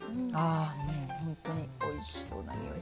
本当においしそうなにおい。